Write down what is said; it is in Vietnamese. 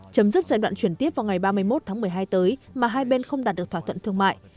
chấm dứt giai đoạn chuyển tiếp vào ngày ba mươi một tháng một mươi hai tới mà hai bên không đạt được thỏa thuận thương mại